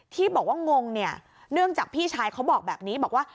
ที่บอกว่างงเนี่ยเนื่องจากพี่ชายเขาบอกแบบนี้บอกว่า